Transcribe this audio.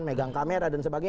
megang kamera dan sebagainya